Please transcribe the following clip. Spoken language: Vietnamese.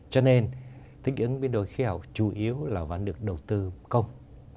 cho nên thích ứng biến đổi khí hậu chủ yếu là vẫn được đầu tư công